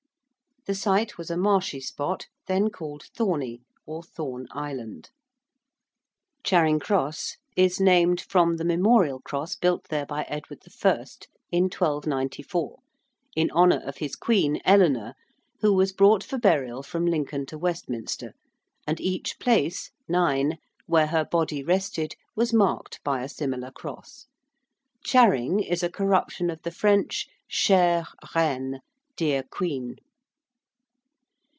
The site was a marshy spot, then called Thorney, or Thorn Island. ~Charing Cross~ is named from the memorial cross built there by Edward I. in 1294 in honour of his queen, Eleanor, who was brought for burial from Lincoln to Westminster, and each place (nine) where her body rested was marked by a similar cross. ('Charing' is a corruption of the French chère reine, dear queen.)